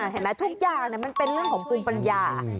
เห็นไหมทุกอย่างมันเป็นเรื่องของภูมิปัญญา